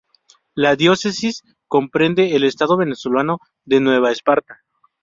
La diócesis comprende el estado venezolano de Nueva Esparta.